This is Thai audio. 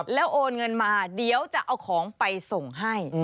แล้วโอนเงินมาเดี๋ยวจะเอาของไปส่งให้